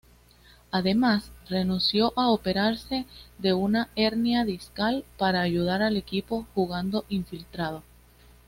Además, renunció a operarse de una hernia discal para ayudar al equipo jugando infiltrado.